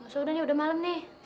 gak usah udah udah malem nih